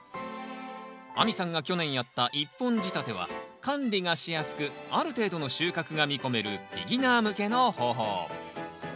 亜美さんが去年やった１本仕立ては管理がしやすくある程度の収穫が見込めるビギナー向けの方法。